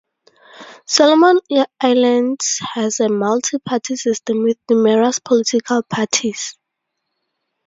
Solomon Islands has a multi-party system with numerous political parties.